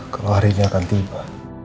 kalau hari ini akan tiba